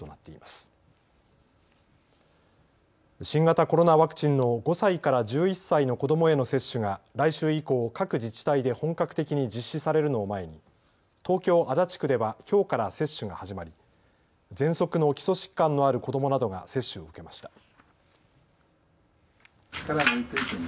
新型コロナワクチンの５歳から１１歳の子どもへの接種が来週以降、各自治体で本格的に実施されるのを前に東京足立区ではきょうから接種が始まりぜんそくの基礎疾患のある子どもなどが接種を受けました。